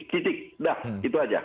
sudah itu aja